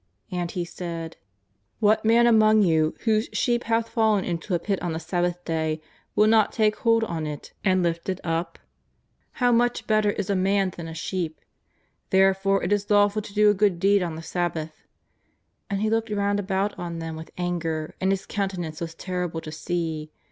And He said :" What man among you whose sheep hath fallen into a pit on the Sabbath day will not take hold on it and lifi it up ? How much better is a man than a sheep. Therefore it is lawful to do a good deed on the Sab bath." And He looked round about on them with anger, and His countenance was terrible to see.